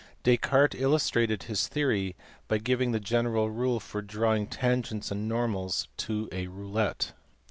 Descartes illustrated his theory by giving the general rule for drawing tangents and normals to a roulette.